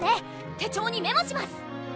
手帳にメモします！